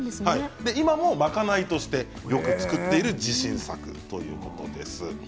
今も賄いとしてよく作っている自信作ということなんです。